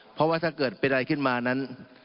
เพราะว่าถ้าเกิดเป็นอะไรขึ้นมานั้น